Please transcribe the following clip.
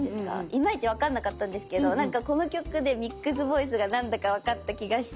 いまいち分かんなかったんですけどなんかこの曲でミックスボイスが何だか分かった気がして。